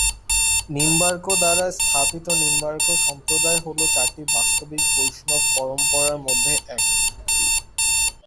নিম্বার্ক দ্বারা স্থাপিত নিম্বার্ক সম্প্রদায় হল চারটি বাস্তবিক বৈষ্ণব পরম্পরার মধ্যে একটি।